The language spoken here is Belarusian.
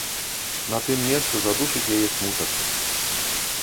На тым месцы задушыць яе смутак.